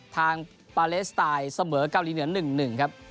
ทางปาเลสไตล์เสมอเกาหลีเหนือ๑๑ครับ